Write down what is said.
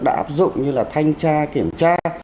đã áp dụng như là thanh tra kiểm tra